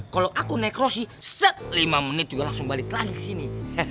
kalau aku naik rosi set lima menit juga langsung balik lagi ke sini